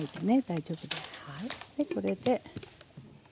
でこれで。